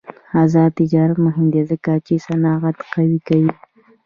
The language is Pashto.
آزاد تجارت مهم دی ځکه چې صنعت قوي کوي.